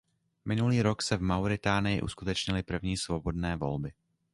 Minulý rok se v Mauritánii uskutečnily první svobodné volby.